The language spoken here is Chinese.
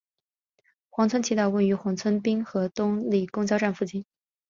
黄村祈祷所位于黄村滨河东里公交站附近。